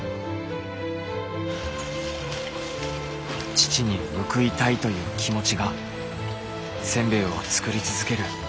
父に報いたいという気持ちがせんべいを作り続ける